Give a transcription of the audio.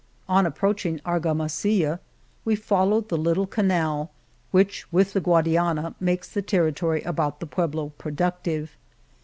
On approaching Argamasilla we followed the little canal log Monteil which, with the Guadiana, makes the territo ry about the pueblo productive.